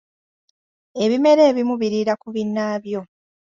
Ebimera ebimu biriira ku binnaabyo.